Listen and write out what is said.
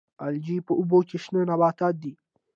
الجی په اوبو کې شنه نباتات دي